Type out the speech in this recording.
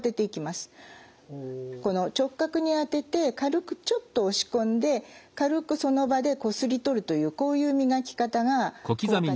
直角にあてて軽くちょっと押し込んで軽くその場でこすり取るというこういう磨き方が効果的です。